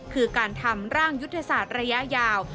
คือการทำร่างยุทธศาสตร์ระยะยาว